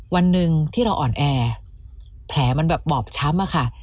วันหนึ่งที่เราอ่อนแอแผลมันแบบบอบช้ำอะค่ะ